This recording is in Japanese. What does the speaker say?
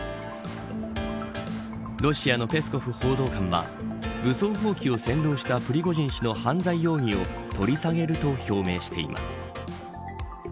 ロシアのペスコフ報道官は武装蜂起を先導したプリゴジン氏の犯罪容疑を取り下げると表明しています。